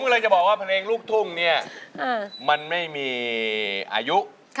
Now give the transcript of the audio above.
เลยจะบอกว่าเพลงลูกทุ่งเนี่ยมันไม่มีอายุ